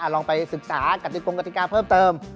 ลองไปศึกษากติกงกติกาเพิ่มเติม